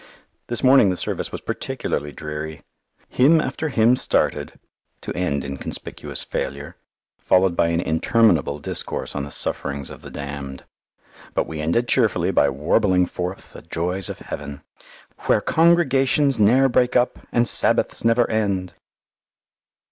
This morning the service was particularly dreary. Hymn after hymn started to end in conspicuous failure, followed by an interminable discourse on the sufferings of the damned. But we ended cheerfully by warbling forth the joys of heaven "Where congregations ne'er break up And Sabbaths never end!"